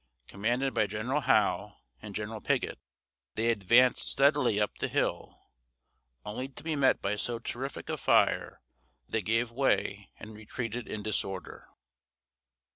Commanded by General Howe and General Pigot, they advanced steadily up the hill, only to be met by so terrific a fire that they gave way and retreated in disorder.